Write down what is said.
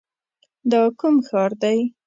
دا کوم ښار دی؟